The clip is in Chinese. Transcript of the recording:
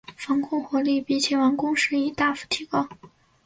防空火力比起完工时已大幅提高。